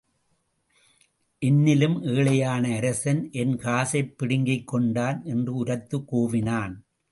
என்னிலும் ஏழையான அரசன் என் காசை பிடுங்கிக்கொண்டான் என்று உரத்துக் கூவினான்.